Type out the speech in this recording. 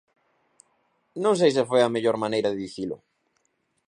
Non sei se foi a mellor maneira de dicilo.